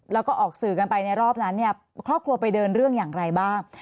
แล้วก็ออกสื่อกันไปในรอบนั้นเนี่ยครอบครัวไปเดินเรื่องอย่างไรบ้าง